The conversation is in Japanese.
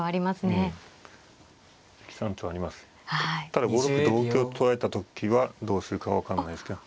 ただ５六同香と取られた時はどうするかは分からないですけど。